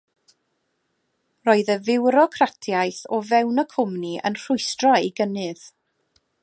Roedd y fiwrocratiaeth o fewn y cwmni yn rhwystro ei gynnydd.